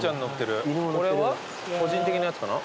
これは個人的なやつかな？